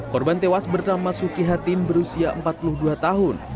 korban tewas bernama suki hatin berusia empat puluh dua tahun